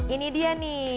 ini dia nih